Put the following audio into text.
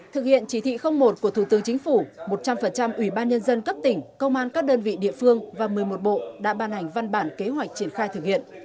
thực hiện chỉ thị một của thủ tướng chính phủ một trăm linh ủy ban nhân dân cấp tỉnh công an các đơn vị địa phương và một mươi một bộ đã ban hành văn bản kế hoạch triển khai thực hiện